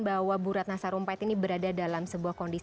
bahwa bu ratna sarumpait ini berada dalam sebuah kondisi